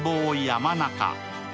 山中。